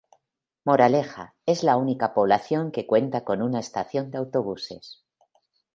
Moraleja es la única población que cuenta con una estación de autobuses.